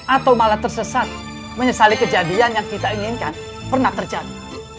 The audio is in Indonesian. atau malah tersesat menyesali kejadian yang kita inginkan pernah terjadi